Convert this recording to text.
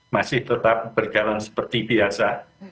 masih tetap berjalan seperti biasa